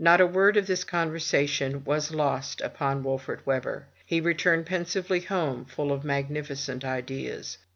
Not a word of this conversation was lost upon Wolfert Webber. He returned pensively home, full of magnificent ideas.